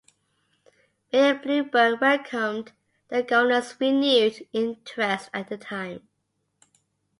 Mayor Bloomberg welcomed the Governor's renewed interest at the time.